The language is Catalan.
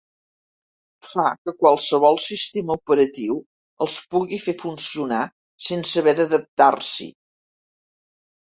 Fa que qualsevol sistema operatiu els pugui fer funcionar sense haver d'adaptar-s'hi.